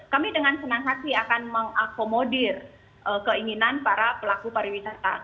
kami dengan senang hati akan mengakomodir keinginan para pelaku pariwisata